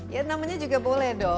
ya namanya juga boleh dong